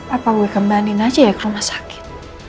apa gue kembaliin aja ya ke rumah sakit